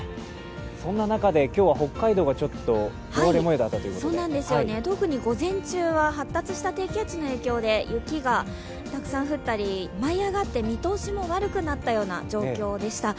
そんな中で今日は北海道が雪だったということで特に午前中は発達した低気圧の影響で雪がたくさん降ったり舞い上がって、見通しも悪くなったような状況でした。